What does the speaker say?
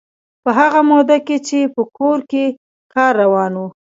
په هغه موده کې چې په کور کې کار روان و.